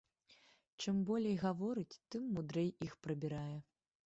Чым болей гаворыць, тым мудрэй іх прабірае.